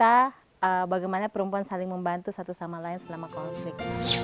jadi banyak cerita bagaimana perempuan saling membantu satu sama lain selama konflik